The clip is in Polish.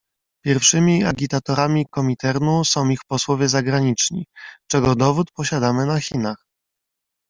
"Pierwszymi agitatorami Kominternu są ich posłowie zagraniczni, czego dowód posiadamy na Chinach."